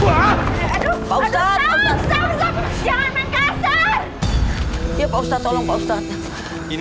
apakah kamu mau tarik